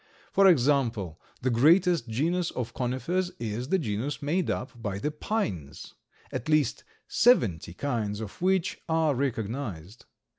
For example, the greatest genus of Conifers is the genus made up by the pines, at least seventy kinds of which are recognized.